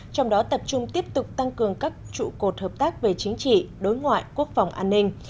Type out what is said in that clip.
trong đó tập trung tiếp tục tăng cường các trụ cột hợp tác về chính trị đối ngoại quốc phòng an ninh